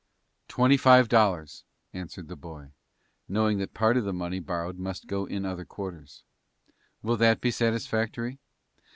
"Twenty five dollars," answered the boy, knowing that part of the money borrowed must go in other quarters. "Will that be satisfactory?"